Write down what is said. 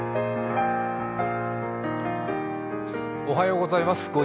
おはようございます。